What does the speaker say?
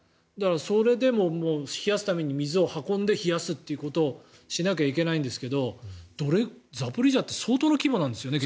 それでも冷やすために水を運んで冷やすということをしなきゃいけないんですけどザポリージャって相当な規模なんですよね？